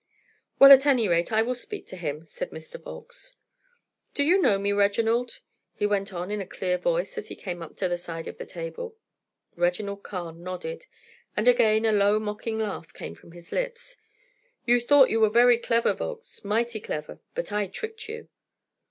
"Well, at any rate, I will speak to him," said Mr. Volkes. "Do you know me, Reginald?" he went on in a clear voice as he came up to the side of the table. Reginald Carne nodded, and again a low mocking laugh came from his lips. "You thought you were very clever, Volkes, mighty clever; but I tricked you."